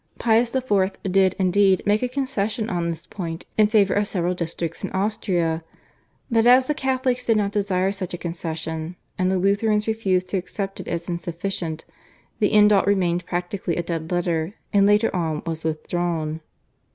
Pius IV. did, indeed, make a concession on this point in favour of several districts in Austria; but as the Catholics did not desire such a concession and the Lutherans refused to accept it as insufficient the indult remained practically a dead letter, and later on was withdrawn.